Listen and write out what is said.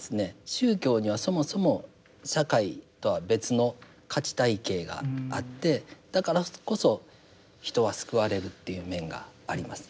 宗教にはそもそも社会とは別の価値体系があってだからこそ人は救われるっていう面があります。